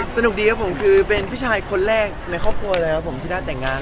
เสนูงดีครับผมเป็นพี่ชายคนแรกในครอบครัวแล้วครับที่ถ้าได้แต่งงาน